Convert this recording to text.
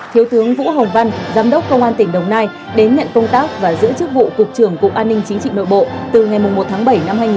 thiếu tướng vũ hồn văn giám đốc công an tỉnh đồng nai đến nhận công tác và giữ chức vụ cục trưởng cục an ninh chính trị nội bộ từ ngày một tháng bảy năm hai nghìn hai mươi ba